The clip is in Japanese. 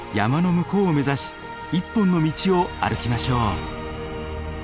向こうを目指し一本の道を歩きましょう。